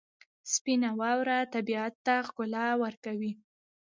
سپینه واوره طبیعت ته ښکلا ورکوي.